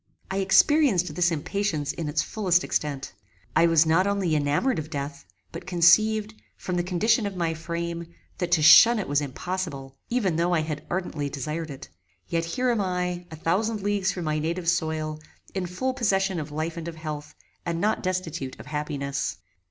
I experienced this impatience in its fullest extent. I was not only enamoured of death, but conceived, from the condition of my frame, that to shun it was impossible, even though I had ardently desired it; yet here am I, a thousand leagues from my native soil, in full possession of life and of health, and not destitute of happiness.